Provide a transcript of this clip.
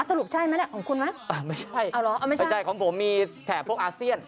อ่ะสรุปใช่มั้ยแหละของคุณมั้ยเออไม่ใช่เอาเหรอไม่ใช่ของผมมีแถวพวกอาเซียน